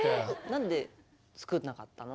なんで作んなかったの？